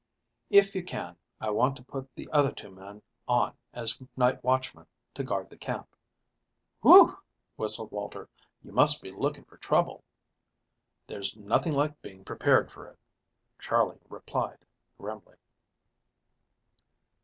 "If you can, I want to put the other two men on as night watchmen to guard the camp." "Whew!" whistled Walter. "You must be looking for trouble." "There's nothing like being prepared for it," Charley replied grimly.